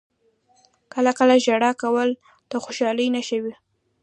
• کله کله ژړا کول د خوشحالۍ نښه وي.